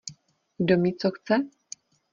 Kdo mi co chce?